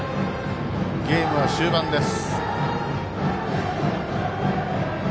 ゲームは終盤です。